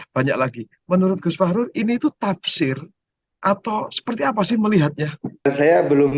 banyak lagi menurut gus fahrul ini tuh tafsir atau seperti apa sih melihatnya saya belum